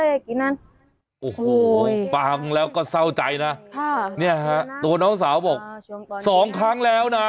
โอ้โหเยี่ยดแล้วตัวเนาสาวบอกเนี่ยสองครั้งแล้วนะ